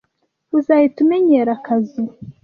Uzahita umenyera akazi.